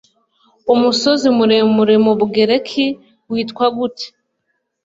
Umusozi muremure mu Bugereki witwa gute?